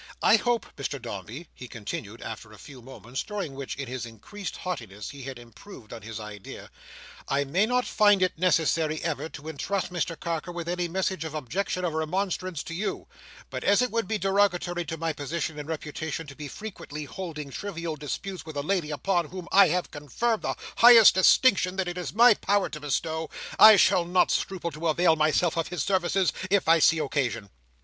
I hope, Mrs Dombey," he continued, after a few moments, during which, in his increasing haughtiness, he had improved on his idea, "I may not find it necessary ever to entrust Mr Carker with any message of objection or remonstrance to you; but as it would be derogatory to my position and reputation to be frequently holding trivial disputes with a lady upon whom I have conferred the highest distinction that it is in my power to bestow, I shall not scruple to avail myself of his services if I see occasion."